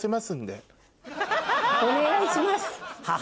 お願いします。